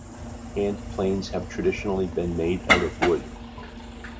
Hand planes have traditionally been made out of wood.